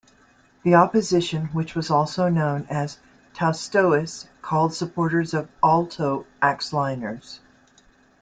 The opposition, which was also known as "taistoists", called supporters of Aalto "axe liners".